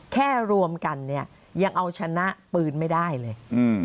แค่รวมกันเนี่ยยังเอาชนะปืนไม่ได้เลย